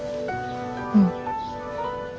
うん。